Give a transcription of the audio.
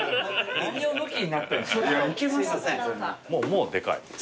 もうでかい。